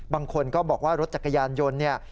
บางคนก็บอกว่ารถจักรยานยนต์เนี่ย